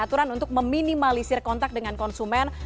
aturan untuk meminimalisir kontak dengan konsumen